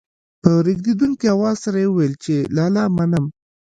په رېږېدونکي اواز سره يې وويل چې لالا منم.